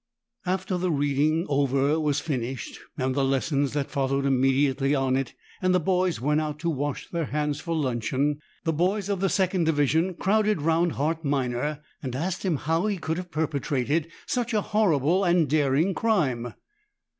After the reading over was finished and the lessons that followed immediately on it, and the boys went out to wash their hands for luncheon, the boys of the second division crowded round Hart Minor and asked him how he could have perpetrated such a horrible and daring crime.